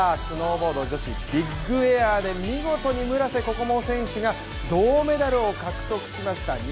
スノーボード女子ビッグエアで見事に村瀬心椛選手が銅メダルを獲得しました。